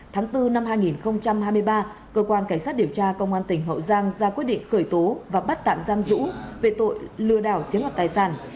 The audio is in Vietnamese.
tháng bốn năm hai nghìn hai mươi ba cơ quan cảnh sát điều tra công an tỉnh hậu giang ra quyết định khởi tố và bắt tạm giam dũ về tội lừa đảo chiếm hoạt tài sản